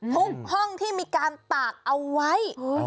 ห้องที่มีการตากเอาไว้